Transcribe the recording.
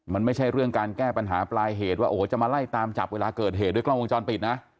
มันไม่ใช่เรื่องการแก้ปัญหาปลายเหตุว่าโอ้โหจะมาไล่ตามจับเวลาเกิดเหตุด้วยกล้องวงจรปิดนะ